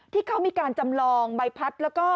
ที่เขามีการจำลองใบพัดแล้วก็